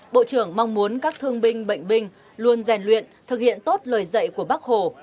bộ trưởng mong muốn các thương binh bệnh binh luôn rèn luyện thực hiện tốt lời dạy của bác hồ